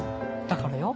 だからよ。